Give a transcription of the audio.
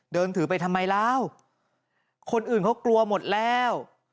เดินถือไปทำไมแล้วคนอื่นเขากลัวหมดแล้ว